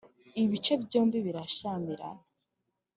ibice byombi birashyamirana.